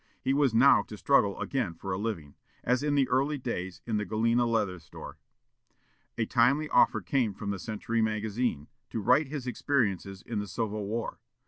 He was now to struggle again for a living, as in the early days in the Galena leather store. A timely offer came from the Century magazine, to write his experiences in the Civil War.